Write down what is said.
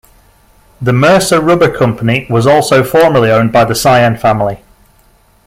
The Mercer Rubber Company was also formerly owned by the Sayen family.